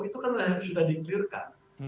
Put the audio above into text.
itu kan yang sudah di clear kan